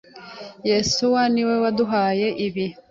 Yesuwa niwe waduhaye ibi.